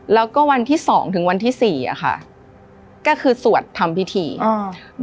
แล้วก็วันที่สองถึงวันที่สี่อ่ะค่ะก็คือสวดทำพิธีอ่า